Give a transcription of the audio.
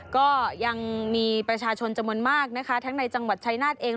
ก็ยังมีประชาชนจำนวนมากนะคะทั้งในจังหวัดชายนาฏเอง